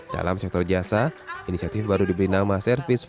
dalam sektor jasa inisiatif baru diberi nama service